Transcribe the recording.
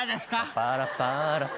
「パパラパラパ」